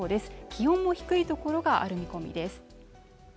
気温も低い所がある見込みです